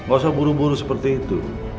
nggak usah buru buru seperti itu